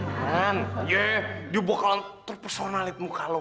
arman yaaay dia bakalan terpersonalit muka lu